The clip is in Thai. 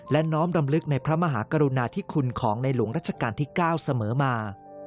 และน้อมรำลึกในพระมหากรุณาธิคุณของในหลวงรัชกาลที่๙เสมอมา